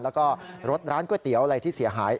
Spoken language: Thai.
แล้วก็รถร้านก๋วยเตี๋ยวอะไรที่เสียหาย